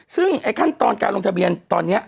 ซึ่งไอ้ขั้นตอนการลงทะเบียนตอนนี้